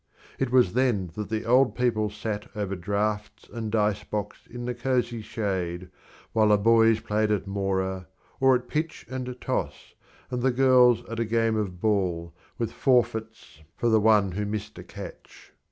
It was then that the old people sat over draughts and dice box in the cosy shade, while the boys played at mora, or at pitch and toss, and the girls at a game of ball, with forfeits for the one who missed a catch.